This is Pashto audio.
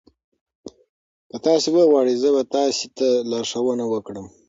که تاسي وغواړئ زه به تاسي ته لارښوونه وکړم.